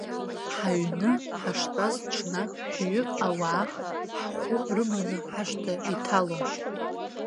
Ҳаҩны ҳаштәаз ҽнак шәҩык ауаа ҳхәы рыманы ҳашҭа иҭалон.